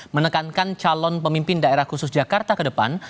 menekankan calon pemimpin daerah khusus jakarta ke depan